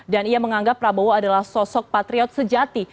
dan ia menganggap prabowo adalah sosok patriot sejati